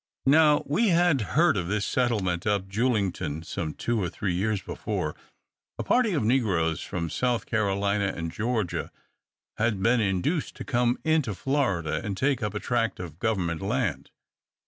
Now, we had heard of this settlement up Julington some two or three years before. A party of negroes from South Carolina and Georgia had been induced to come into Florida, and take up a tract of government land.